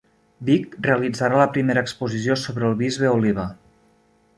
Vic realitzarà la primera exposició sobre el bisbe Oliba